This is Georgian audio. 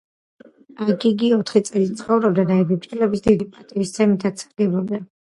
აქ იგი ოთხი წელი ცხოვრობდა და ეგვიპტელების დიდი პატივისცემითაც სარგებლობდა.